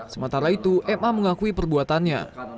sementara itu ma mengakui perbuatannya